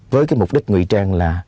với cái mục đích nguy trang là